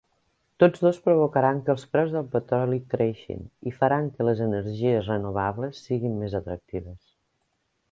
Tots dos provocaran que els preus del petroli creixin i faran que les energies renovables siguin més atractives.